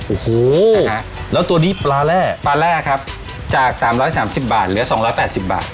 โอ้โหนะฮะแล้วตัวนี้ปลาแร่ปลาแร่ครับจาก๓๓๐บาทเหลือ๒๘๐บาท